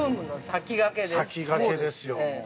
◆先駆けですよ。